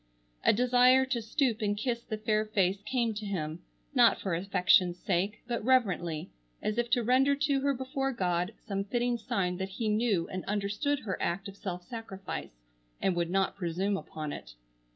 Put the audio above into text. A desire to stoop and kiss the fair face came to him, not for affection's sake, but reverently, as if to render to her before God some fitting sign that he knew and understood her act of self sacrifice, and would not presume upon it.